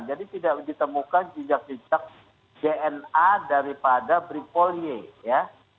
jadi tidak ditemukan jejak jejak gna daripada brigadir yosua